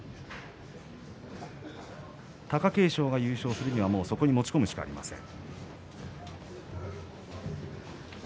貴景勝が優勝するにはそこに持ち込むしかありません。